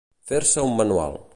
Fer-se un manual.